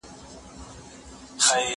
په غاښونو یې ورمات کړله هډوکي